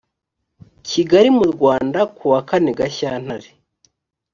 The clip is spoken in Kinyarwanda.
kigali mu rwanda kuwa kane gashyantare